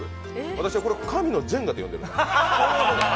私はこれは、神のジェンガと呼んでいます。